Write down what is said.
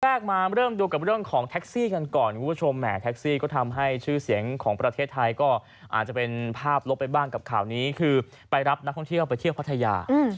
แรกมาเริ่มดูกับเรื่องของแท็กซี่กันก่อนคุณผู้ชมแหมแท็กซี่ก็ทำให้ชื่อเสียงของประเทศไทยก็อาจจะเป็นภาพลบไปบ้างกับข่าวนี้คือไปรับนักท่องเที่ยวไปเที่ยวพัทยา